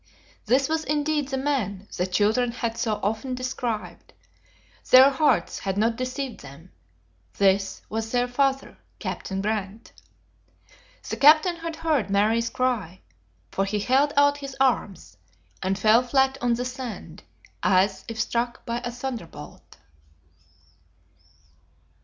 This was indeed the man the children had so often described. Their hearts had not deceived them. This was their father, Captain Grant! The captain had heard Mary's cry, for he held out his arms, and fell flat on the sand, as if struck by a thunderbolt.